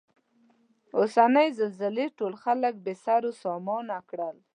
اوسنۍ زلزلې ټول خلک بې سرو سامانه کړل.